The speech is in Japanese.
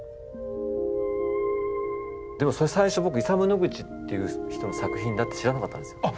でも最初イサム・ノグチっていう人の作品だって知らなかったんですよ。